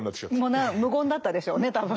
もう無言だったでしょうね多分。